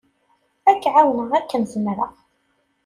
Ad k-εawneɣ akken zemreɣ.